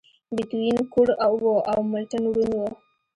بيتووين کوڼ و او ملټن ړوند و.